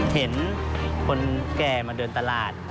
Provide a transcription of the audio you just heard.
เห็นคนแก่มาเดินตลาด